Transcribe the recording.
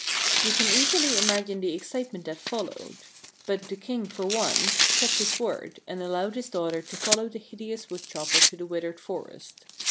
You can easily imagine the excitement that followed. But the King, for once, kept his word, and allowed his daughter to follow the hideous wood chopper to the withered forest.